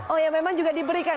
oh ya memang juga diberikan